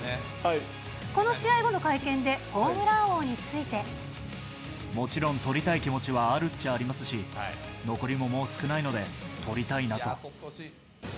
この試合後の会見で、もちろん、とりたい気持ちはあるっちゃありますし、残りももう少ないので、とりたいなと。